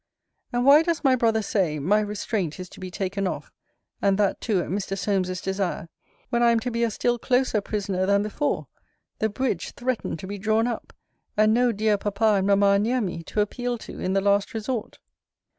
And why does my brother say, my restraint is to be taken off, (and that too at Mr. Solmes's desire,) when I am to be a still closer prisoner than before; the bridge threatened to be drawn up; and no dear papa and mamma near me, to appeal to, in the last resort?